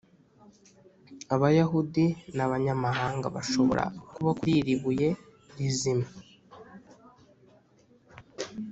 abayahudi n’abanyamahanga bashobora kubaka kuri iri buye rizima